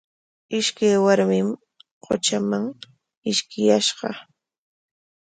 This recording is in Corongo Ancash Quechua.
Ishkay warmim qutraman ishkiyashqa.